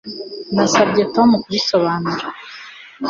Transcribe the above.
Nasabye Tom kubisobanura